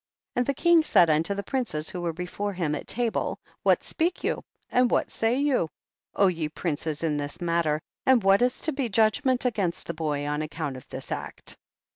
4. And the king said unto the princes who were before him at table, what speak you and what say you, O ye princes, in this matter, and what is to be judgment against the boy on account of this act